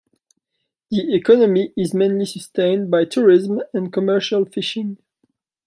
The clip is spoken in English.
The economy is mainly sustained by tourism and commercial fishing.